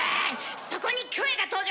そこにキョエが登場。